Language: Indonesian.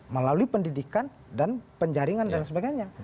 melalui pendidikan dan penjaringan dan sebagainya